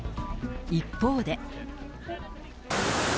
一方で。